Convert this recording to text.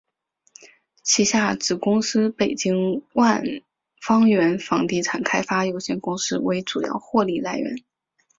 旗下子公司北京万方源房地产开发有限公司为主要获利来源。